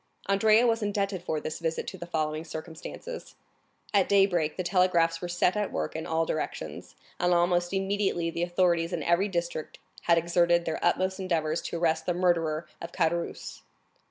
Andrea was indebted for this visit to the following circumstances. At daybreak, the telegraphs were set at work in all directions, and almost immediately the authorities in every district had exerted their utmost endeavors to arrest the murderer of Caderousse.